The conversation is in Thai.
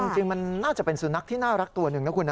จริงมันน่าจะเป็นสุนัขที่น่ารักตัวหนึ่งนะคุณนะ